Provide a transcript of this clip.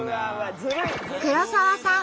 黒沢さん